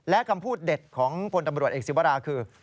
และคำพูดเด็ดของพลตำรวจเอกศิวราคือ